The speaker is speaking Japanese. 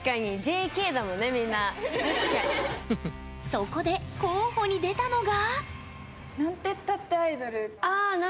そこで候補に出たのが。